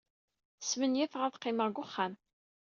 Smenyafeɣ ad qqimeɣ deg wexxam.